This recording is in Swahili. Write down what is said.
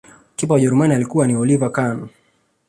Kipa wa ujerumani alikuwa ni oliver Khan